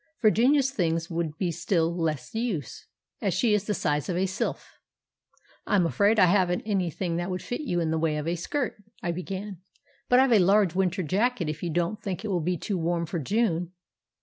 Virginia's things would be still less use, as she is the size of a sylph. "I'm afraid I haven't anything that would fit you in the way of a skirt," I began, "but I've a large winter jacket if you don't think it will be too warm for June."